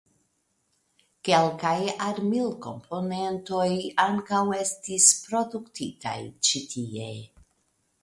Kelkaj armilkomponentoj ankaŭ estis produktitaj ĉi tie.